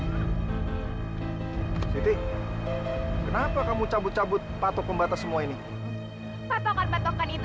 hai siti kenapa kamu cabut cabut patok pembatas semua ini patokan patokan itu